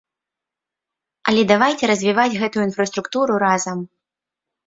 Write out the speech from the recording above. Але давайце развіваць гэтую інфраструктуру разам.